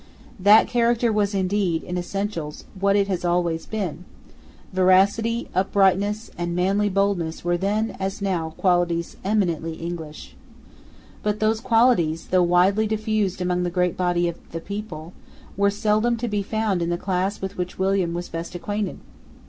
That character was indeed, in essentials, what it has always been. Veracity, uprightness, and manly boldness were then, as now, qualities eminently English. But those qualities, though widely diffused among the great body of the people, were seldom to be found in the class with which William was best acquainted.